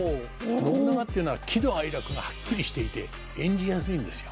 信長っていうのは喜怒哀楽がはっきりしていて演じやすいんですよ。